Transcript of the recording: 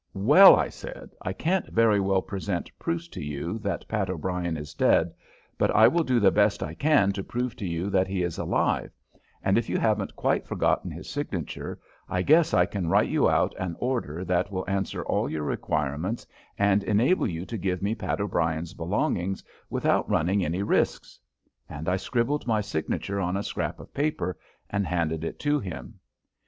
"Well," I said, "I can't very well present proofs to you that Pat O'Brien is dead, but I will do the best I can to prove to you that he is alive, and if you haven't quite forgotten his signature I guess I can write you out an order that will answer all your requirements and enable you to give me Pat O'Brien's belongings without running any risks." And I scribbled my signature on a scrap of paper and handed it to him.